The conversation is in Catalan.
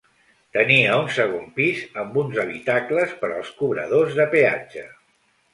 Tenia un segon pis amb uns habitacles per als cobradors de peatge.